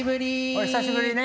お久しぶりね。